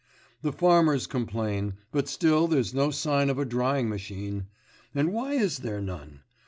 The farmers complain, but still there's no sign of a drying machine. And why is there none?